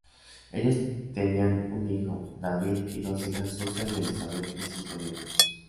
Ellos tenían un hijo, David, y dos hijas, Susan y Elizabeth, y cinco nietos.